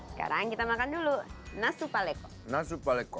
sekarang kita makan dulu nasu paleko